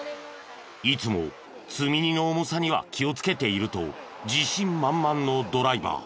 いつも積み荷の重さには気をつけていると自信満々のドライバー。